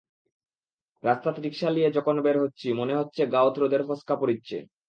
রাস্তাত রিকশা লিয়ে যকন বের হচ্চি, মনে হচ্চে গাওত রোদের ফস্কা পড়িচ্চে।